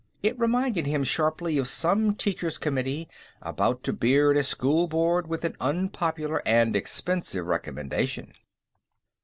It reminded him sharply of some teachers' committee about to beard a school board with an unpopular and expensive recommendation.